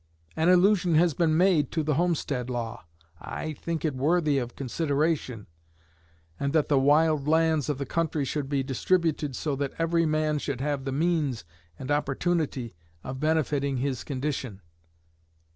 An allusion has been made to the Homestead Law. I think it worthy of consideration, and that the wild lands of the country should be distributed so that every man should have the means and opportunity of benefiting his condition.